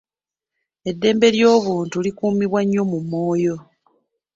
Eddembe ly'obuntu likuumibwa nnyo mu Moyo.